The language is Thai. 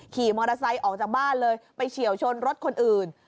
ขี่มอเตอร์ไซค์ออกจากบ้านเลยไปเฉียวชนรถคนอื่น